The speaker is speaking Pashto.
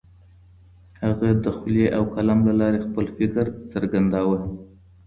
هغه د خولې او قلم له لارې خپل فکر څرګنداوه.